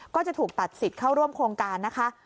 ก็จะถูกตัดสิทธิ์เข้าร่วมโครงการนะคะ